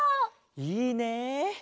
いいねえ。